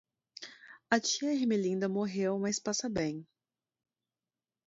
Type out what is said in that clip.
A tia Ermelinda morreu mas passa bem.